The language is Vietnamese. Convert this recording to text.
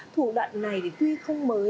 thủ đoạn này tuy không mới